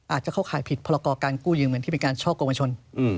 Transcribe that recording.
อาจจะเข้าขายผิดภรรกอการกู้ยืมเหมือนที่เป็นช่อโกงวัยชน